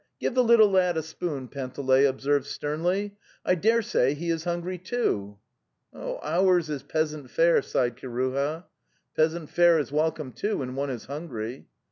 Give' the little ladvaspoent Panteley observed sternly. 'I dare say he is hun gry too!" '' Ours is peasant fare," sighed Kiruha. 'Peasant fare is welcome, too, when one is hun gry."